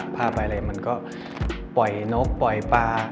ภาพอะไรมันก็ปล่อยนกปล่อยปลา